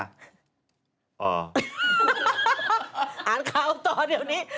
อ่านข่าวต่อเดี๋ยวนี้